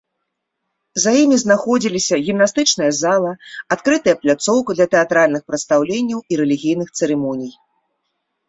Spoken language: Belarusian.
За імі знаходзіліся гімнастычная зала, адкрытая пляцоўка для тэатральных прадстаўленняў і рэлігійных цырымоній.